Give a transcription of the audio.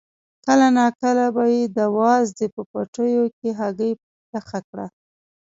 کله ناکله به یې د وازدې په پوټیو کې هګۍ پخه کړه.